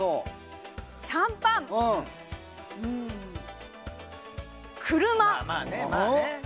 シャンパン、車。